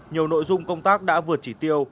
nhiều nội dung công tác đã vượt chỉ tiêu